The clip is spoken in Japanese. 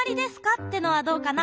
ってのはどうかな？